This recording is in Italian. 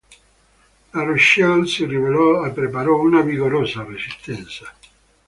La Rochelle si ribellò e preparò una vigorosa resistenza.